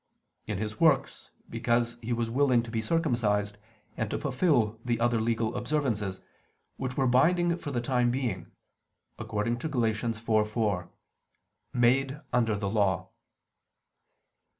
In His works, because He was willing to be circumcised and to fulfil the other legal observances, which were binding for the time being; according to Gal. 4:4: "Made under the Law."